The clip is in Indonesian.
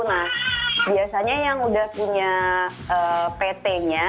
nah biasanya yang udah punya pt nya